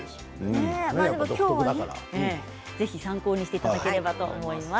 今日は参考にしていただければと思います。